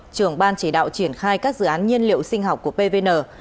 trưởng ban chỉ đạo triển khai các dự án nhiên liệu sinh học của pvn